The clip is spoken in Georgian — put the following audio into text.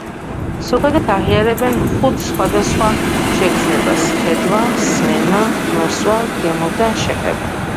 ზოგადად აღიარებენ ხუთ სხვადასხვა შეგრძნებას: ხედვა, სმენა, ყნოსვა, გემო და შეხება.